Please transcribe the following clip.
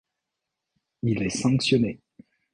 Il est sanctionné.